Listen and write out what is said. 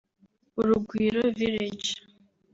Urugwiro Village